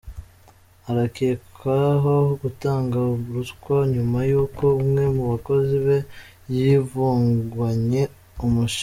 Arakekwaho gutanga ruswa nyuma y’uko umwe mu bakozi be yivuganye umushinwa